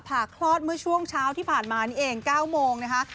คลอดเมื่อช่วงเช้าที่ผ่านมานี่เอง๙โมงนะคะ